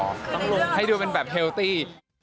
ขึ้นให้ดูเป็นแบบไฮล์ตี้